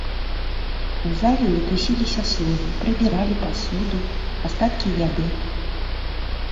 У залі мітусіліся слугі, прыбіралі пасуду, астаткі яды.